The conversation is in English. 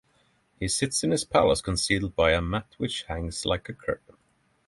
He sits in his palace concealed by a mat which hangs like a curtain.